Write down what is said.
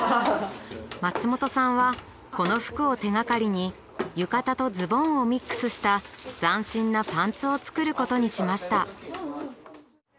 松本さんはこの服を手がかりに浴衣とズボンをミックスした斬新なパンツを作ることにしました。